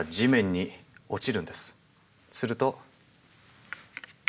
すると。